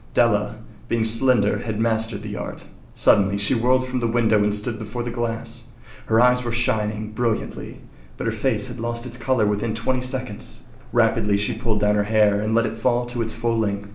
Della, being slender, had mastered the art. Suddenly she whirled from the window and stood before the glass. Her eyes were shining brilliantly, but her face had lost its color within twenty seconds. Rapidly she pulled down her hair and let it fall to its full length.